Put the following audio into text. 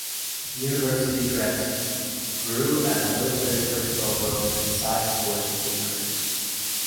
University grants grew and military personnel enrollment in science courses increased.